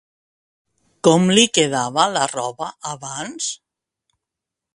Com li quedava la roba abans?